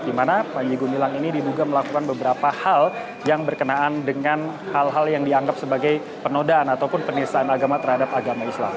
di mana panji gumilang ini diduga melakukan beberapa hal yang berkenaan dengan hal hal yang dianggap sebagai penodaan ataupun penistaan agama terhadap agama islam